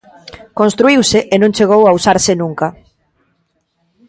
Construíuse e non chegou a usarse nunca.